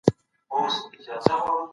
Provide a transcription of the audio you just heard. چپ سه چـــپ سـه نور مــه ژاړه